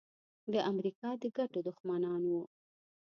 د امریکا د ګټو دښمنان وو.